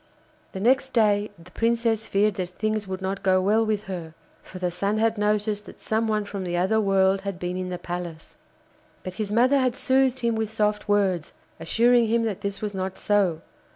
The next day the Princess feared that things would not go well with her, for the Sun had noticed that some one from the other world had been in the palace. But his mother had soothed him with soft words, assuring him that this was not so.